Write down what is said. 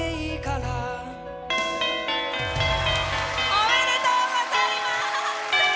おめでとうございます。